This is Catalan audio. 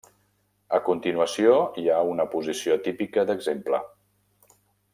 A continuació hi ha una posició típica d'exemple.